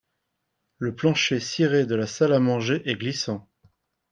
Le plancher ciré de la salle à manger est glissant